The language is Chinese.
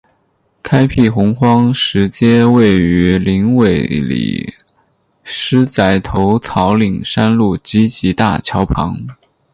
开辟鸿荒石碣位于林尾里狮仔头草岭山路集集大桥旁。